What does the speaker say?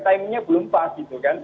timingnya belum pas gitu kan